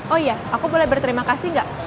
oh iya aku boleh berterima kasih nggak